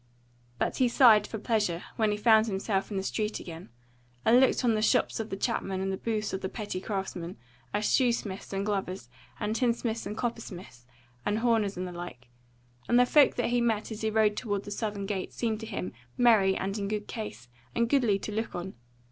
But he sighed for pleasure when he found himself in the street again, and looked on the shops of the chapmen and the booths of the petty craftsmen, as shoe smiths and glovers, and tinsmiths and coppersmiths, and horners and the like; and the folk that he met as he rode toward the southern gate seemed to him merry and in good case, and goodly to look on.